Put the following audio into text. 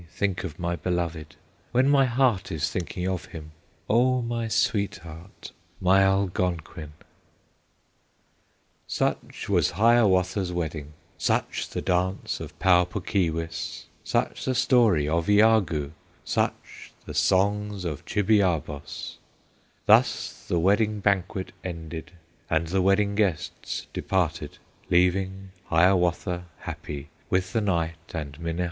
think of my beloved, When my heart is thinking of him, O my sweetheart, my Algonquin!" Such was Hiawatha's Wedding, Such the dance of Pau Puk Keewis, Such the story of Iagoo, Such the songs of Chibiabos; Thus the wedding banquet ended, And the wedding guests departed, Leaving Hiawatha happy With the night